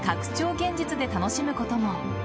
現実で楽しむことも。